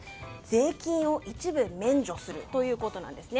税金を一部免除するということです。